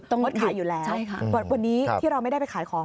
งดขายอยู่แล้ววันนี้ที่เราไม่ได้ไปขายของ